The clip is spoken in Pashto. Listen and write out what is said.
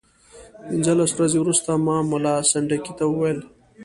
پنځلس ورځې وروسته ما ملا سنډکي ته وویل.